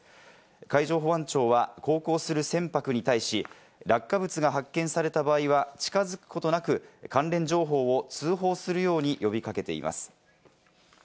海上保安庁は航行する船舶に対し、落下物が発見された場合は、近づくことなく関連情報を通報するように呼び掛けています。